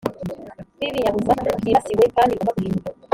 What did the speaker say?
rw ibinyabuzima byibasiwe kandi bigomba guhinduka